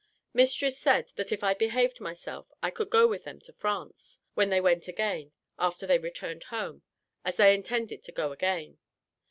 Mistress said, that if I behaved myself I could go with them to France, when they went again, after they returned home as they intended to go again.